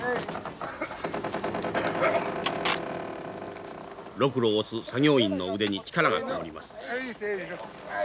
ロクロを押す作業員の腕に力がこもります。